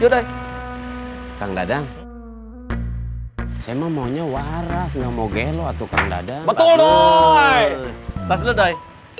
yodai kang dadang saya mau nyewa rasnya moge lo atuh karena ada betul doi tasledai